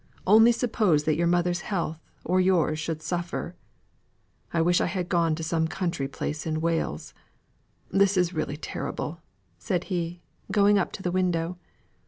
Only suppose that your mother's health or yours should suffer. I wish I had gone into some country place in Wales; this is really terrible," said he, going up to the window.